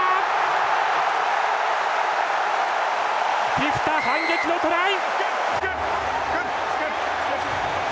フィフィタ、反撃のトライ！